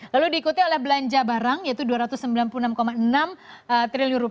lalu diikuti oleh belanja barang yaitu rp dua ratus sembilan puluh enam enam triliun